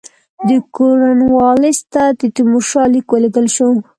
د کورنوالیس ته د تیمورشاه لیک ولېږل شو.